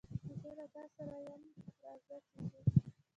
زه له تاسره ېم رازه چې ځو